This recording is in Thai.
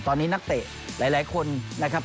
ตอนนี้นักเตะหลายคนนะครับ